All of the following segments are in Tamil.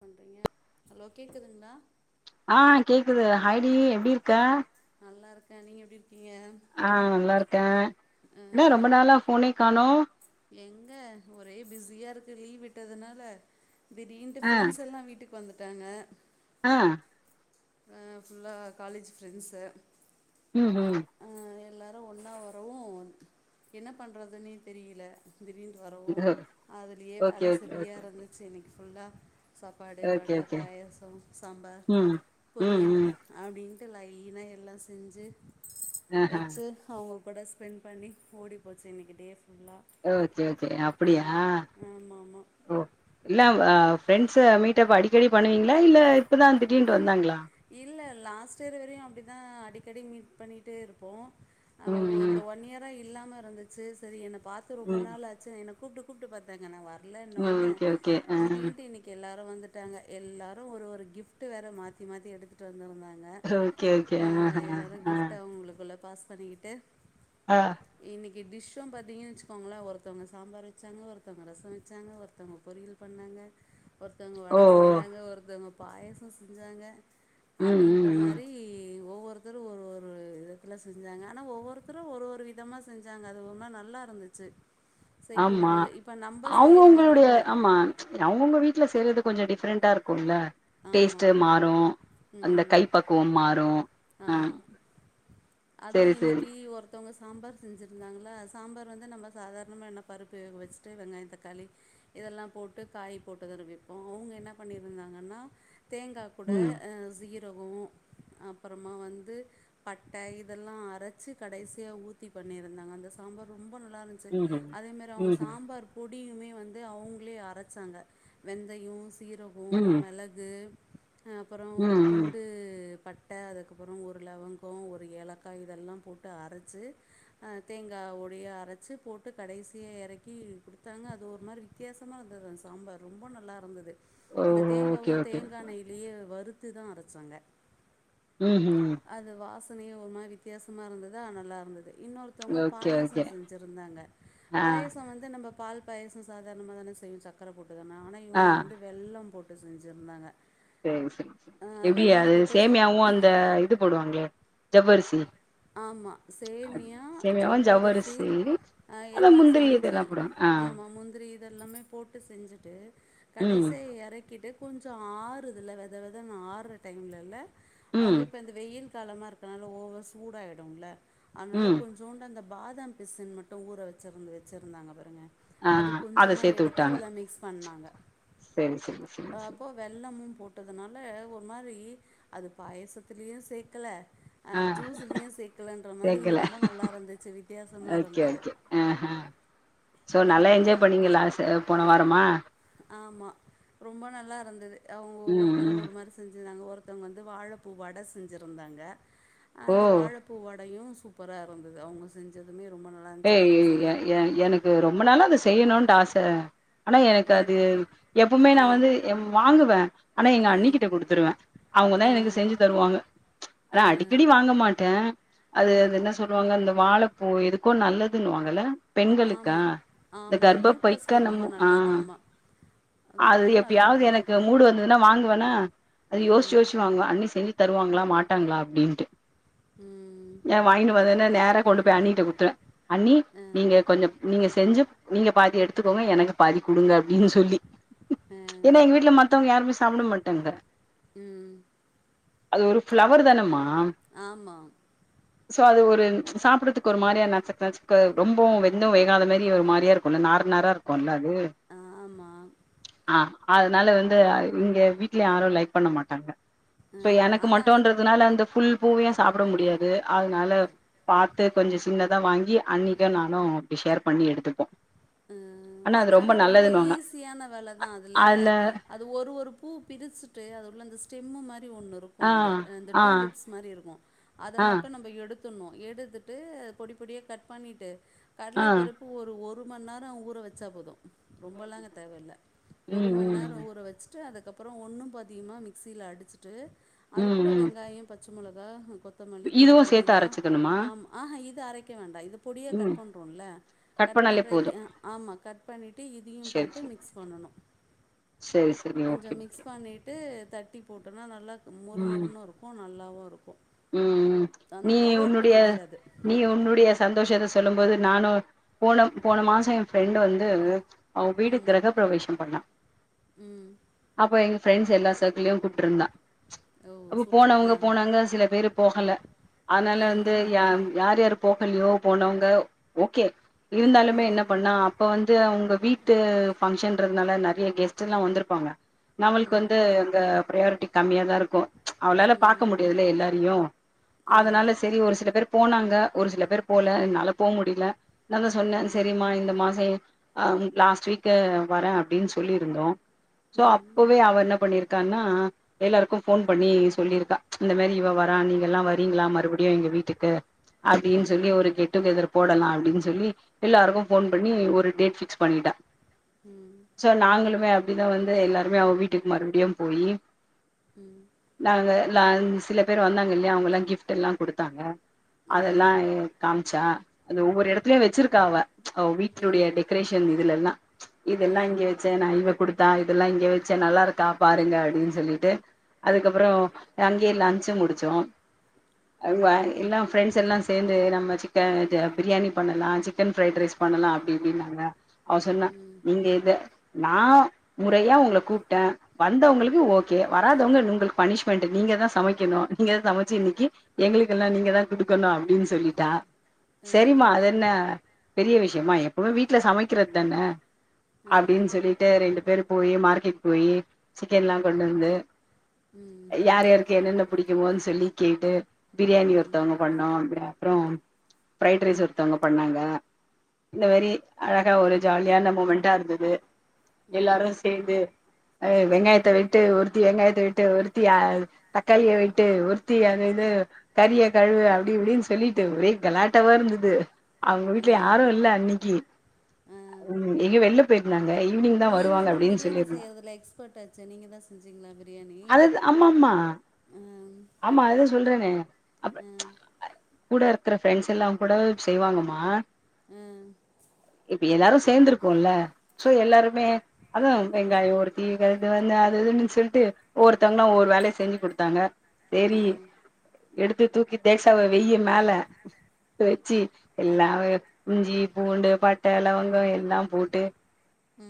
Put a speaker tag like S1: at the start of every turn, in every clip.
S1: பண்றீங்க ஹலோ கேக்குதுங்களா
S2: ஆ கேக்குது ஹாய் டி எப்டி இருக்க
S1: நல்லாருக்க நீங்க எப்டி இருக்கீங்க
S2: ஆ நல்லாருக்க என்ன
S1: அ
S2: ரொம்ப நாளா ஃபோனே காணு
S1: எங்க ஒரே பிஸியா இருக்கு லீவ் விட்டதுனால திடிர்ன்ட்டு
S2: ஆ
S1: ஃப்ரெண்ட்ஸ் எல்லா வீட்டுக்கு வந்துட்டாங்க
S2: ஆ
S1: ஆ ஃபுல்லா காலேஜ் ஃப்ரெண்ட்ஸு
S2: ம்ஹு
S1: ஆ எல்லாரு ஒன்னா வரவு என்ன பண்ணுறதுன்னே தெரியல திடிர்னு வரவு அதுலயே
S2: ஓகே
S1: வேல
S2: ஓகே
S1: செரிய
S2: ஓகே
S1: இருந்துச்சு இன்னிக்கி ஃபுல்லா சப்பாடு
S2: ஓகே
S1: வட
S2: ஓகே
S1: பாயசம் சம்பார்
S2: ம் ம்
S1: பொரியல்
S2: ம்
S1: அப்டின்ட்டு லைனா எல்லா செஞ்சி
S2: ஆஹா
S1: வெச்சி அவுங்க கூட ஸ்பெண்ட் பண்ணி ஓடி போச்சு இன்னைக்கு டே ஃபுல்லா
S2: ஓகே ஓகே அப்டியா
S1: அப்டி ஆமா ஆமா
S2: ஓ இல்ல ஃப்ரெண்ட்ஸ மீட்டப் அடிக்கடி பண்ணுவீங்ளா இல்ல இப்பதா திடின்ட்டு வந்தாங்ளா
S1: இல்ல லாஸ்ட் இயர் வரையு அப்டிதா அடிக்கடி மீட் பண்ணிட்டே இருப்போ அ
S2: ம்
S1: ஓ
S2: ம்
S1: இந்த ஒன் இயரா இல்லாம இருந்துச்சி சேரி என்ன பாத்து ரொம்ப
S2: ம்
S1: நாளா ஆச்சி என்ன கூப்டு கூப்டு பாத்தாங்க நா வரலன்ன
S2: ம்
S1: ஒன்ன
S2: ஓகே ஓகே ஆ
S1: திடீர் இன்டு இன்னிக் கி எல்லாரு வந்துட்டாங்க எல்லாரு ஒரு ஒரு கிஃப்ட் வேற மாத்தி மாத்தி எடுத்து எடுத்து வந்துருந்தாங்க
S2: ஓகே ஓகே
S1: ஆ
S2: ஆஹா
S1: எல்லாரு
S2: ஆ
S1: கிஃப்ட் அவுங்கவுங்களுக்குள்ள பாஸ் பண்ணிகிட்டு
S2: ஆ
S1: இன்னைக்கு டிஷ்ஷு பாத்தீங்கன்னா வெச்சுக்கோங்ளே ஒருத்தவங்க சாம்பார் வெச்சாங்க ஒருத்தவங்க ரசோ வெச்சாங்க ஒருத்தவங்க பொரியில் பண்ணாங்க ஒருத்தவங்க
S2: ஓ
S1: வட
S2: ஓ
S1: செஞ்சாங்க ஒருத்தவங்க பாயசோ செஞ்சாங்க
S2: ம்
S1: அப்டின்ற
S2: ம்
S1: மாரி
S2: ம்
S1: ரி ஒவ்வொருத்தரு ஒரு ஒரு விதத்துல செஞ்சாங்க ஆனா ஒவ்வொருத்தரு ஒரு ஒரு விதமா செஞ்சாங்க அது ரொம்ப நல்லா இருந்துச்சி
S2: ஆமா
S1: செய்யும்போது இப்ப நம்ப செய்ற மொறைக்கு
S2: அவுங்கவுங்க வீட்ல செய்றது கொஞ்சோ டிஃப்ரெண்டா இருக்கும்ல டேஸ்ட்டு
S1: ஆமாம்
S2: மாறு அந்த கை
S1: ம்
S2: பக்குவோ மாறு ஆ
S1: அதுவு
S2: செரி செரி
S1: இன்னிக்கு ஒருத் தவங்க சாம்பார் செஞ்சிருந்தாங்ளா சாம்பார் வந்து நம்ம சாதாரணமா என்ன பருப்பு வேக வெச்சிட்டு வெங்காயம் தக்காளி இதெல்லா போட்டு காய் போட்டு தானே வெப்போ அவுங்க என்ன பண்ணி இருந்தாங்கன்னா தேங்கா கூட
S2: ம்
S1: சீரகோ அப்றமா வந்து பட்ட இதெல்லா அரைச்சி கடைசியா ஊத்தி பண்ணிருந்தாங்க அந்த சாம்பார் ரொம்ப நல்லா இருந் சி
S2: ம்ஹூம்
S1: அதே மாரி அவுங்க
S2: ம்ஹூம்
S1: சாம்பார் பொடியுமே வந்து அவுங்களே அரைச்சாங்க வெந்தையு சீரகோ
S2: ம்
S1: மிளகு கு அப்றோ ஒரு
S2: ம் ம்
S1: துண்டு பட் பட்ட அதுக்கப்றோ ஒரு லவங்கோ ஒரு ஏலக்கா இதெல்லா போட்டு அரைச்சி தேங்கா உடைய அரைச்சு போட்டு கடைசியா எறக்கி குடுத்தாங்க அது ஒரு மாதிரி வித்தியாசமா இருந்தது அந்த சாம்பார் ரொம்ப நல்லா இருந்தது அந்த
S2: ஓஹோ
S1: தேங்காவு
S2: ஓகே ஓகே
S1: வானையிலயே வறுத்து தா அரைச்சாங்க
S2: ம் ம்
S1: அது வாசனையு ஒரு மாரி வித்தியாசமா இருந்ததா நல்லா இருந்தது இன்னொரு த்தவங்க
S2: ஓகே ஓகே
S1: பாயசம் செஞ்சிருந்தாங்க
S2: ஆ
S1: பாயசம் வந்து நம்ம பால் பாயசம் சாதாரணமா தானே செய்வோ சர்க்கர போட்டுதானே ஆனா
S2: ஆ
S1: இவுங்க வந்து வெள்ளம் போட்டு செஞ்சிருந்தாங்க
S2: சேரி சேரி சேரி எப்டி அது
S1: செ
S2: சேமியாவு அந்த இது போடுவாங்ளே ஜவ்வரிசி
S1: ஆமா சேமியா ஜவ்வரிசி ஆ
S2: அந்த
S1: எல்லா
S2: முந்திரி
S1: செஞ்சு
S2: இதெல்லா போடுவாங்க ஆ
S1: ஆமா முந்திரி இது எல்லாமே போட்டு செஞ்சிட்டு
S2: ம்
S1: கடைசிய எறக்கிட்டு கொஞ்சோ ஆறுதுல்ல வெதவெதன்னு ஆறுற டைம்ல இல்ல அவுங்க
S2: ம்
S1: இப்போ இந்த வெயில் காலமா இருக்கனால ஒவர் சூடா ஆயிடும்ல அதனால
S2: ம்
S1: கொஞ்ச கொஞ்சூண்டு அந்த பாதாம் பிசின் மட்டு ஊற வெச்சிருந்து வெச்சிருந்தாங்க பாருங்க
S2: ஆ
S1: அது கொஞ்சமா எடுத்து அதுல மிக்ஸ் பண்ணாங்க
S2: சேரி சேரி சேரி சேரி
S1: வெல்லமு போட்டதுனால ஒரு மாரி அது பாயசத்தலயு சேக்கல
S2: ஆ சேக்கல
S1: ரொம்ப நல்லா இருந்துச்சு வித்தியாசமாக
S2: ஓகே
S1: இருந்தது
S2: ஓகே ஆ ஹ சோ
S1: ரொம்ப
S2: நல்லா என்ஜாய் பண்ணீங்க லாஸ் போன வாரமா
S1: ஆமா ரொம்ப நல்லா இருந்தது அவங்க ஒவ்வொருத்
S2: ம்
S1: ஒருத்தரு
S2: ம்
S1: ஒரு மாரி செஞ்சுருந்தாங்க ஒருத்தவங்க வந்து வாழப்பூ வட செஞ்சுருந்தாங்க
S2: ஓ
S1: அந்த வாழப்பூ வடயு சூப்பரா இருந்தது அவங்க செஞ்சதுமே ரொம்ப நல்லாந்துச்சு
S2: ஏய்
S1: நம்ம
S2: எ
S1: செய்யற
S2: எ எனக்கு ரொம்ப நாளா அத செய்யணு ஆச ஆனா எனக்கு
S1: வாழை
S2: அது எப்பவுமே நா
S1: ஆ
S2: வந்து வாங்குவே ஆனா எங்க
S1: ம்
S2: அண்ணிக்கிட்ட குடுத்துடுவே அவங்கதா
S1: ஆ
S2: எனக்கு செஞ்சு தருவாங்க ச் ஆனா
S1: ஆ
S2: அடிக்கடி வாங்க மாட்ட அது அது
S1: ம்
S2: என்ன சொல்லுவாங்க அந்த வாழப்பூ எதுக் கோ நல்லதுன் வாங்கல்ல பெண்களுக்கா
S1: ஆமா.
S2: இந்த
S1: ஆமா.
S2: கர்ப்பபைக்கா
S1: யூட்ரஸ்க்கு ரொம்ப
S2: என்னமோ ஆ
S1: நல்லது. ஆமா. அதுக்கு
S2: அது
S1: ரொம்ப நல்லது
S2: எப்பயாவது
S1: தான்.
S2: எனக்கு மூடு வந்ததுன்னா வாங்குவன்னா அது யோசிச்சு
S1: ம்.
S2: யோசிச்சு திட்டுவாங்களா அண்ணி செஞ்சு தருவாங்களா மாட்டாங்களா அப்டின்ட்டு
S1: ம்
S2: எ வாங்கிட்டு வந்தன்ன நேர கொண்டு போய் அன்னிட்ட குடு த்துடுவே அண்ணி
S1: அ.
S2: நீங்க கொஞ்சோ நீங்க செஞ்சு நீங்க பாதி எடுத்துக்கோங்க எனக்கு பாதி கொடுங்க அப்டின்னு சொல்லி
S1: அ.
S2: ஏன்ன எங்க வீட்ல மத்தவங்க யாருமே சாப்பிட மாட்டாங்க
S1: ம்.
S2: அது ஒரு ஃப்ளவர் தானேமா
S1: ஆமா
S2: சோ அது ஒரு சாப் சாப்பிட்றதுக்கு ஒரு மாரியா நசக் நசக் ரொம்ப வெந்து வேகாதமாரி ஒரு மாரியா இருக்குல நா நற இருக்குல அது
S1: ஆமா
S2: ஆ அதனால வந்து இங்க வீட்லயு யாரு லைக் பண்ண மாட்டாங்க
S1: அ
S2: சோ எனக்கு
S1: ஆனா
S2: மட்டுன்றதுனால அந்த ஃபுல் பூவயு சாப்ட முடியாது அதனால பாத்து கொஞ்சோ சின்னதா வாங்கி அண்ணிக்கு நானு அப்டி ஷேர் பண்ணி எடுத்துப்போ
S1: ம் அது ஆனா ரொம்ப ஈஸியான வேலதா அதுல அது ஒரு ஒரு பூ பிரிச்சுட்டு அது உள்ள அந்த ஸ்டெம்மு மாரி ஒன்னு இருக் கு
S2: ஆ
S1: அது அந்த
S2: ஆ
S1: டூலிப்ஸ் மாரி இருக்கு அத
S2: ஆ
S1: மட்டு நம்ம எடுத் த்துர்னு எடுத்துட்டு பொடி பொடியா கட் பண்ணிட்டு
S2: ஆ
S1: கடல பருப்பு ஒரு ஒரு ஒரு மணிநேரோ ஊற வச்சா போது ரொம்பலா தேவயில்ல ஒரு
S2: ம்
S1: மணிநேரோ
S2: ம்
S1: ஊற வச் அதுக்கப்பறோ ஒன்னு பாதியுமா மிக்ஸில அடுச்சுட்டு அது
S2: ம்
S1: கூட
S2: ம்
S1: வெங்காய பச் பச்சமிளகா கொத்தமல்லி கொஞ்சோ
S2: இதுவு சேத்து
S1: புதினா
S2: அரச்சுக்கணுமா
S1: ஆமா ஆஹா இது அரைக்க வேண்டா இது பொடியா கட்
S2: ம்
S1: பண்றோன்ல கட்
S2: பண்ணாலே
S1: பண்ணுற
S2: போது
S1: ஆமா கட் பண்ணிட்டு இதையு
S2: சேரி
S1: போட்டு
S2: சேரி
S1: மிக்ஸ் பண்ணணு
S2: சேரி சேரி
S1: கொஞ்சோ
S2: ஓகே ஓகே
S1: மிக்ஸ் பண்ணிட் ட்டு தட்டி போட்டோனா நல்லா மொறு
S2: ம்
S1: மொறுன்னு இருக்கு நல்லாவு இருக்கு
S2: ம் ம் நீ உன்னுடைய நீ உன்னுடைய சந்தோஷத்த சொல்லு போது நானு போன போன மாசோ எ ஃப்ரெண்டு வந்து அவ வீடு
S1: ம்
S2: கிரக ப்ரவேசோ பண்ணா
S1: ம்
S2: அப்ப எங்க ஃப்ரெண்ட்ஸ் எல்லா சர்க்களயு கூப்ட்டுருந்தா
S1: ஓ சூப்பர் ஆ
S2: போனவுங்க போனாங்க சில பேரு போகல அதனால
S1: ம்
S2: வந்து யார் யார் போகலையோ போனவங்க ஓகே இருந்தாலுமே
S1: ம்
S2: என்ன பண்ணா இப்ப வந்து உங்க வீட்டு பங்க்ஷன்றதுனால நெறய கெஸ்ட்ல்லா வந்திருப்பாங்க நம்மளுக்கு
S1: ம்
S2: வந்து அங்க ப்ரையாரிட்டி கம்மியாதா இருக்கு அவளால
S1: ம்
S2: பாக்க முடியாதுல எல்லா தெரியு அதனால
S1: ஆமாம்
S2: சரி ஒரு சில பேர் போனாங்க ஒரு சில பேர் போல என்னால போ முடில அதுனால சொன்னே
S1: ம்
S2: சரிமா இந்த மாசோ அ லாஸ்ட் வீக்கு வரே அப்டின்னு சொல்லிருந்தோ சோ
S1: ம்
S2: அப்பவே அவர் என்னா பண்ணிருக் க்கானா எல்லாருக்கு ஃபோன் பண்ணி சொல்லிருக்கா இந்த மாதரி இவ வர நீங்கல்லா வரீங்களா மறுபடியு எங்க வீட்டுக்கு அப்டின்னு
S1: ம்
S2: சொல்லி ஒரு கெட்டுகேதர் போடலா அப்டினு சொல்லி எல்லாருக்கு ஃபோன் பண்ணி ஒரு டேட் ஃபிக்ஸ் பண்ணிட்டா
S1: உ
S2: சோ நாங்களுமே அப்டிதா வந்து எல்லாருமே அவ வீட்டுக்கு மறுபடியு போயி
S1: ம்
S2: நாங்க நா சில பேர் வந்தாங்கல்லையா அவங்கல்லா கிஃப்ட் எல்லா கொடுத்தாங்க
S1: ம்
S2: அதெல்லா காமிச்சா அது ஒவ்வொரு எடத்துலயு வச்சிருக்கா அவ அவ
S1: ம்
S2: வீட்டுடைய டெக் க்ரேஷன் இதுலல்லா
S1: ஆ
S2: இதெல்லா இங்க வச்சே நான இவ குடுத் தா இதெல்லா இங்க வச்சே நல்லாருக்கா பாருங்க அப்டின்னு சொல்லிட்டு அதுக்கப்றோ அங்கேய லஞ்ச் முடிச்சோ அவ் அ
S1: ம்
S2: எல்லா ஃப்ரெண்ட்ஸ் எல்லா சே சேர்ந்து நம்ம சிக்கன் பிரியாணி பண்ணலா சிக்கன் ஃப்ரைட் ரைஸ் பண்ணலா அப்டி இப்டின்னாங்க அவ சொன்னா
S1: ம்
S2: நீங்க இத நா முறையா உங்கள கூப்ட்டே வந்தவங்களுக்கு ஓகே வராதவங்க உங்களுக்கு பனிஷ்மென்ட் நீங்கதா சமைக் ணும் நீங்க சமைச்சு இன்னைக்கு எங்களுக்கெல்லா நீங்கதா குடுக்கணு அப்டின்னு சொல்லிட்டா
S1: ஆ
S2: சரிமா அது என்ன பெரிய விஷயமா எப்பவுமே வீட்டுல சமைக்கிறது தானே அப்டின்னு
S1: ஆமாம்
S2: சொல்லிட்டு ரெண்டு பேரு போயி மார்க்கெட் போயி சிக்கன்ல்லா கொண்டு வந்து
S1: ம்
S2: யார் யாருக்கு என்னென்ன பிடிக்குமோ சொல்லி கேட்டு பிரியாணி
S1: ம்
S2: ஒருத்தவங்க பண்ணோ அப்றோ ஃப்ரைட் ரைஸ் ஒருத்தவங்க பண்ணாங்க இந்த மாரி அழகா ஒரு ஜாலியான மூமெண்ட்டா இருந்தது எல்லாரு சேந்து வெங்காயத்த வெட்டு ஒருத்தி வெங்காயத்த வெட்டு ஒருத்தி கறிய வெட்டு ஒருத்தி அத இது கறிய கழுவு அப்டி இப்டின்னு சொல்லிட்டு ஒரே கலாட்டாவா இருந்தது அவுங்க வீட்ல
S1: ம்
S2: யாரு இல்ல இன்னைக்கு
S1: ஆ ஆ
S2: நீ வெள் ளிய போயிருந்தாங்க ஈவ்னிங்தா
S1: நீங்க
S2: வருவாங்க
S1: தான்
S2: அப்டின்னு
S1: பிரியாணி
S2: சொல்லிருந்தாங்க
S1: செய்யறதுல எக்ஸ்பர்ட் ஆச்சே நீங்க தான் செஞ்சீங்களா பிரியாணி
S2: அதுதா அம்மம்மா
S1: ஆ
S2: ஆமா அதா சொல்றன்னே அப்ப
S1: ஆ
S2: கூட இருக்குற ஃப்ரெண்ட்ஸ் எல்லா கூட செய்வாங்கமா
S1: ஆ
S2: இப்ப எல்லாரு சேர்ந்துருக்கோல்ல சோ எல்லாருமே அத ஒரு வெங்காயோ ஒரு கீர அது இதுனு சொல்ட்டு ஒவ்வருத்தவங்க ஒரு வேலய செஞ்சு கொடுத்தாங்க சேரி
S1: ஆ
S2: எடுத்து தூக்கி தேஸாவ வெய்யு மேல வெச்சு எல்லா இஞ்சி பூண்டு பட்ட ளவங்க எல்லா போட்டு
S1: உ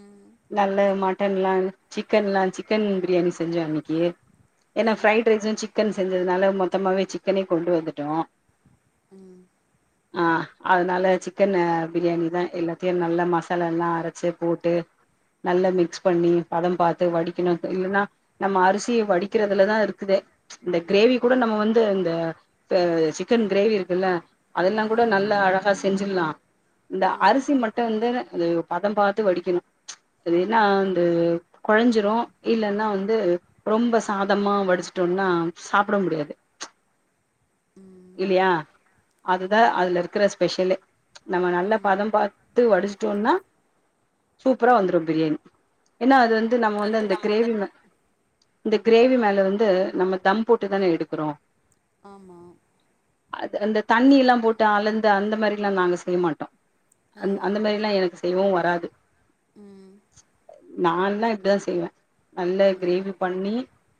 S2: நல்ல மட்டன்ல்லா சிக்கன்ல்லா சிக்கன் பிரியாணி செஞ்சோ அன்னைக்கு ஏன்னா
S1: ஆ
S2: ஃப்ரைட் ரைஸு சிக்கனு செஞ்சதுனால மொத்தமாவே சிக்கனே கொண்டு வந்துட்டோ
S1: உ
S2: அ அதுனால சிக்கனு பிரியாணிதா எல்லாத்தையு நல்லா மசாலால்லா அரைச்சு போட்டு நல்லா மிக்ஸ் பண்ணி பதம் பாத்து வடிக்கணு இல்லைன்னா நம்ம அரிசி வடிக்கறதுலதா இருக்குதே இந்த கிரேவி கூட நம்ம வந்து இந்த சிக்கன் கிரேவிருக்குல்ல அதுல்லா கூட
S1: ஆமா
S2: நல்ல அழகா செஞ்சிட்லா இந்த
S1: ஆ
S2: அரிசி மட்டு வந்து அது பத பாத்து வடிக்கணு அதுன்னா வந்து கொழஞ்சிரு இல்லன்னா வந்து ரொம்ப சாதமா வடிச்சுட் னா சாப்ட முடியாது
S1: ம்
S2: இல்லயா அதுதா
S1: ஆமா
S2: அதுலருக்குற ஸ்பெஷலே நம்ம நல்லா
S1: ம்
S2: பத பாத்து வடிச்சுட்டோனா சூப்பரா வந்துரு பிரியாணி ஏன்னா அது வந்து நம்ம வந்து அந்த க்ரேவி மே இந்த க்ரேவி மேல வந்து நம்ம தம் போட்டு தான எடுக்குறோ
S1: ஆமா
S2: அது அந்த தண்ணி எல்லா போட்டு அலந்து அந்த மாதிரில்லா நாங்க செய்யமாட்டோ அ
S1: ஆ
S2: அந்த மாதிரிலா எனக்கு செய்யவு வராது
S1: ம்
S2: நான்லா இப்டிதா செய்வ நல்ல
S1: ஆ
S2: கிரேவி பண்ணி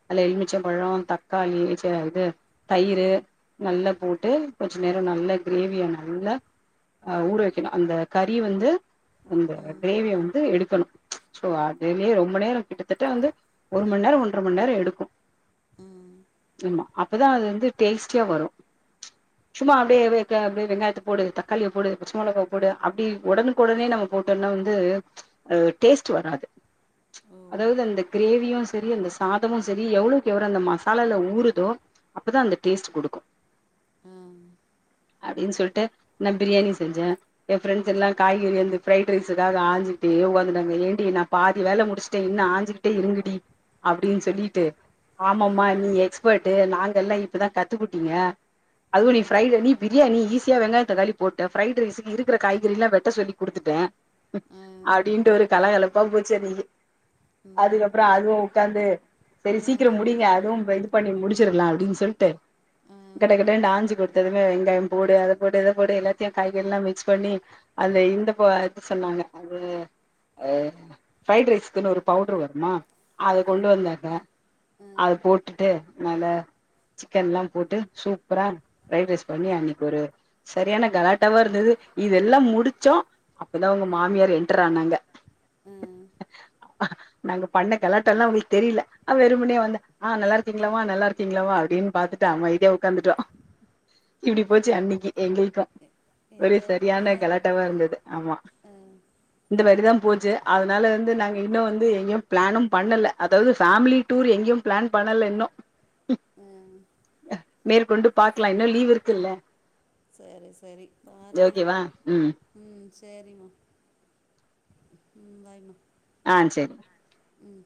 S2: நல்லா எலுமிச்ச பழ தக்காளி சா இது தயிரு நல்ல போட்டு கொஞ்ச நேர நல்ல கிரேவிய நல்லா அ ஊற வைக்கணு அந்த கறி வந்து இந்த
S1: ம்
S2: கிரேவிய வந்து எடுக்கணு சோ அதுலே ரொம்ப நேர கிட்டத்தட்ட வந்து ஒரு ம நேர ஒன்றர ம நேர எடுக்கும்
S1: ம்
S2: ஆமா அப்பதா அது வந்து டேஸ்ட்டியா வரு சும்மா அப்டியே அப்டியே வெங்காயத்த போடு தக்காளிய போடு பச்ச மிளகா போடு அப்டி உடனுக்குடனே நம்ம போட்டோம்னா வந்துஹ டேஸ்ட் வராது
S1: ஓ
S2: அதாவது அந்த கிரேவியு சரி அந்த சாதமும் சரி எவ்வளவு வ அந்த மசாலால ஊறுதோ அப்பதா அந்த டேஸ்ட் கொடுக்கும்
S1: ஆ
S2: அப்டின்னு சொல்ட்டு நா பிரியாணி செஞ்ச எய ஃப்ரெண்ட்ஸ் எல்லா காய்கறி வந்து ஃப்ரைட் ரைஸுக்காக ஆஞ்சிட்டு ஒக்காந்ருந்தாங்கன்டங்க ஏன்டி நா பாதி வேல முடிச்ட இன்னு ஆஞ்சிக் ட்டே இருங்கடி அப்டின்னு சொல்லிட்டு
S1: ஆ
S2: ஆமம்மா நீங்க எப்படி எக்ஸ்பெர்ட் நாங்கல்லா இப்பதா கத்துக்குட்டீங்க
S1: ஆ
S2: அதுவு நீ ஃப்ரைட் நீ பிரியாணி ஈஸியா வெங்காய தக்காளி போட்ட ஃப்ரைட் ரைஸூக்கு இருக்குற காய்கறில்லா வெட்ட சொல்லி குடுத்துட்ட
S1: ஆ
S2: அப்டின்டு ஒரு கலகலப் பா போச்சு எனக்கு
S1: ம்
S2: அதுக்கப்ற
S1: எ
S2: அதுவு உக்காந்து செரி
S1: ஆ
S2: சிக் சீக்கிர முடிங்க அதுவு ப இது பண்ணி முடிச்சிர்லா அப்டின்னு சொல்ட்டு
S1: ஆ
S2: கட கடனு ஆஞ்சு கொடுத்ததுமே வெங்காய போடு அத போடு இத போடு எல்லாத்தையு காய்கறி எல்லா மிக்ஸ் பண்ணி அது இந்தப்ப எது சொன்னாங்க அது ஃப்ரைட் ரைஸ்க்குன்னு ஒரு பவுடரு வருமா அத கொண்டு வந்தாங்க
S1: ஆ
S2: அத போட்டுட்டு நல்ல சிக்கன்லா போட்டு சூப்பரா ஃப்ரை ரைஸ் பண்ணி அன்னிக்கு ஒரு சரியானா கலாட்டாவா இருந்தது இதெல்லா
S1: நல்ல
S2: முடிச்சோ அப்பதா உங்க
S1: ஆ
S2: மாமியார் என்டர் ஆனாங்க
S1: ஆ
S2: நாங்க பண்ண கலாட்டால்லா அவுங்களுக்கு தெரில வெறுும்பன்னோ ஹ நல்லா இருக்கீங்களாமா நல்லா இருக்கீங்களாமா அப்டின்னு பாத்துட்டு அமைதியா உட்காந்துட்டோ இப்டி போச்சு அன்னிக்கு எங்களுக்கும் ஒரு
S1: என்ஜாய்
S2: சரியான
S1: பண்ணீங்க
S2: கலட்டாவா இருந்தது ஆமா
S1: ஆ
S2: இந்த மாதிரி தா போச்சு அதனால வந்து நாங்க இன்னோ வந்து எங்கயு பிளானு பண்ணல அதாவது ஃபேமிலி டூர் எங்கயு பிளான் பண்ணல இன்னோ
S1: ம்
S2: அ மேற்கொண்டு பாக்கலா இன்னு லீவ் இருக்குல்ல
S1: சேரி சேரி பாருங்க
S2: ஓகேவா ம்
S1: ம் சேரிம்மா ம் பைம்மா
S2: ஆ சேரி
S1: ம்